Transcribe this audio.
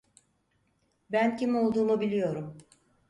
Ben kim olduğumu biliyorum.